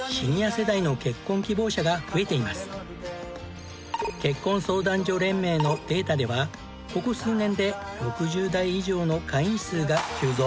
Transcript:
今結婚相談所連盟のデータではここ数年で６０代以上の会員数が急増。